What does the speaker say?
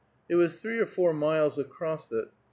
It was three or four miles across it.